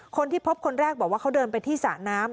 คนที่พบคนแรกบอกว่าเขาเดินไปที่สระน้ำ